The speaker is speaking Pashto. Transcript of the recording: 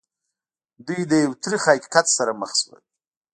دوی له یو تریخ حقیقت سره مخ شول